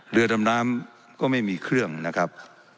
เรือดำน้ำก็ไม่มีเครื่องนะครับ